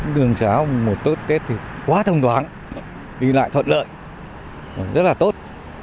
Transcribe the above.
đường sáng mùa một tết thì quá thông thoáng đi lại thuận lợi rất là tốt